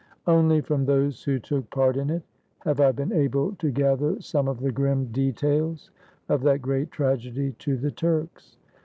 Only from those who took part in it have I been able to gather some of the grim details of that great tragedy to the Turks.